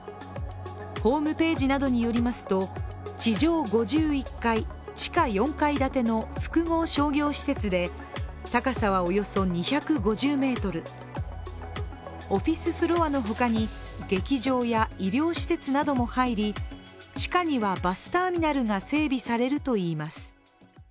ホームページなどによりますと地上５１階、地下４階建ての複合商業施設で高さはおよそ２５０ｍ、オフィスフロアの他に劇場や医療施設なども入り地下にはバスターミナルが整備されるといいます。